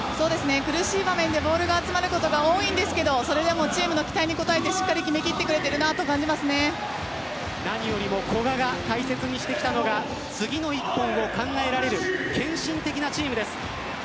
苦しい場面でボールが集まることが多いですがチームの期待に応えてしっかり決めきってくれていると何より古賀が大切にしたのが次の１点を考えられる献身的なチームです。